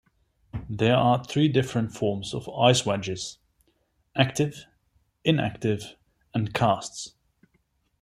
There are three different forms of ice wedges: active, inactive and casts.